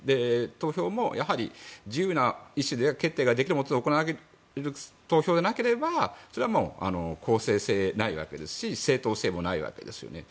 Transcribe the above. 投票も、やはり自由な意思決定ができるもとで行われる投票でなければ公正性がないわけですし正当性もないわけですね。